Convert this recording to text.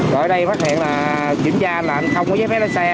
rồi ở đây phát hiện là kiểm tra anh là anh không có giấy phép đánh xe